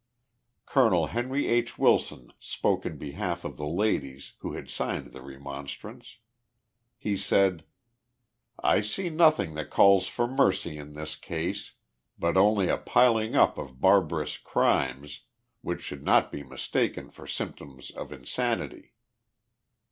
Col. Henry H. Wilson spoke in behalf of the ladies, who had signed the remonstrance. He said : i; I see nothing that calls for mercy in this case, but only a piling up of barbarous crimes, which should not be mistaken for symptoms of insanity."